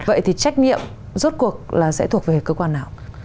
vậy thì trách nhiệm rút cuộc là sẽ thuộc về cơ quan nào